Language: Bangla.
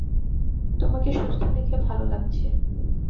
তোমাকে সুস্থ দেখে ভাল লাগছে।